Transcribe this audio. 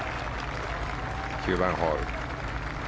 ９番ホール。